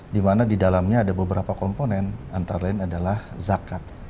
di mana di dalamnya ada beberapa komponen antara lain adalah zakat